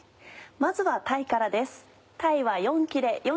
まずは鯛からです。